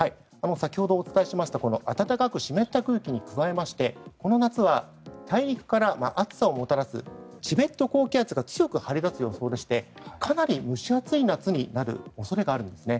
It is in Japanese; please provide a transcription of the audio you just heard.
先ほどお伝えしました暖かく湿った空気に加えましてこの夏は大陸から暑さをもたらすチベット高気圧が強く張り出す予想でしてかなり蒸し暑い夏になる恐れがあるんですね。